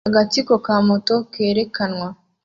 Agatsiko ka moto kerekanwa